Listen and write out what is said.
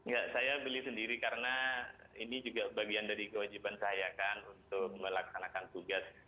ya saya beli sendiri karena ini juga bagian dari kewajiban saya kan untuk melaksanakan tugas